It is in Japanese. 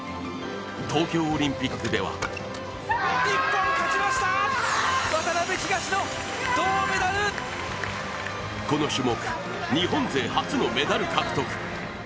東京オリンピックではこの種目日本勢初のメダル獲得。